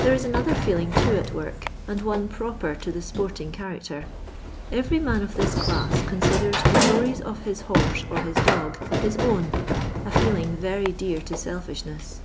There is another feeling too at work, and one proper to the tportmg cha racter—every man of this class coniidert the glories of his horse or his dog hit own, a fiseling ▼ery dear to selfishness.